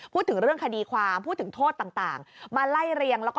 พูดถึงเรื่องคดีความพูดถึงโทษต่าง